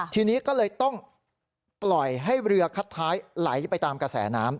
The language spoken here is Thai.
ทีนี้ก็เลยต้องปล่อยให้เรือคัดท้ายไหลไปตามกระแสน้ำ